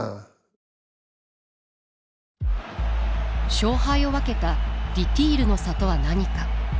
勝敗を分けたディティールの差とは何か。